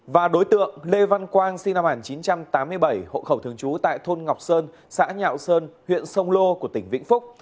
và đối tượng lê văn quang sinh năm một nghìn chín trăm tám mươi bảy hộ khẩu thường trú tại thôn ngọc sơn xã nhạo sơn huyện sông lô của tỉnh vĩnh phúc